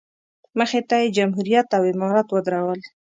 مخې ته یې جمهوریت او امارت ودرول.